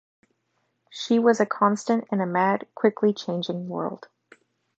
She was a constant in a mad, quickly changing world.